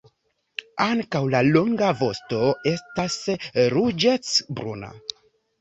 Ankaŭ la longa vosto estas ruĝecbruna.